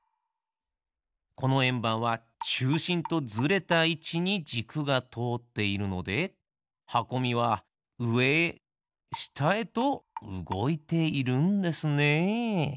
このえんばんはちゅうしんとずれたいちにじくがとおっているのではこみはうえへしたへとうごいているんですね。